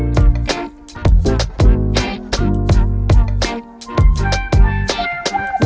nunggu berapa bang